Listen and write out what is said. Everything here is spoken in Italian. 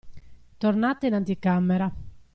Tornate in anticamera.